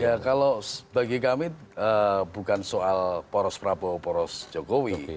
ya kalau bagi kami bukan soal poros prabowo poros jokowi